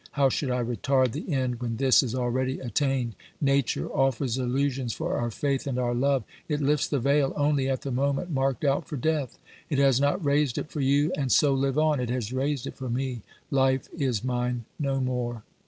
How should I retard the end when this is already attained ? Nature offers illusions for our faith and our love ; it lifts the veil only at the moment marked out for death. It has not raised it for you, and so live on ; it has raised it for me, life is mine no more.